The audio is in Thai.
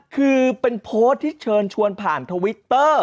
คือเป็นโพสต์ที่เชิญชวนผ่านทวิตเตอร์